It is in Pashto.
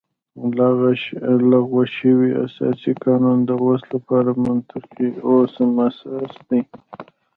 لغوه شوی اساسي قانون د اوس لپاره منطقي او سم اساس دی